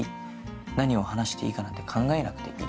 何を話していいかなんて考えなくていい。